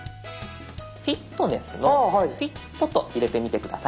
フィットネスの「フィット」と入れてみて下さい。